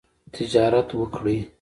تجارت وکړئ